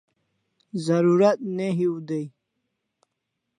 Zarurat ne hiu dai